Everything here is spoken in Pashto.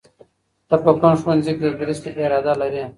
ته په کوم ښوونځي کې د تدریس اراده لرې؟